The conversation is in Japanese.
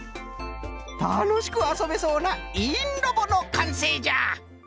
たのしくあそべそうな「いいんロボ」のかんせいじゃ。